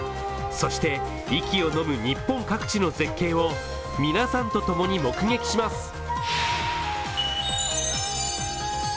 そして息をのむ日本各地の絶景を皆さんとともに目撃します。